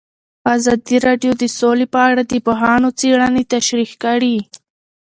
ازادي راډیو د سوله په اړه د پوهانو څېړنې تشریح کړې.